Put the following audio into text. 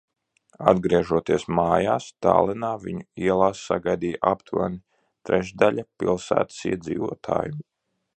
Atgriežoties mājās, Tallinā viņu ielās sagaidīja aptuveni trešdaļa pilsētas iedzīvotāju.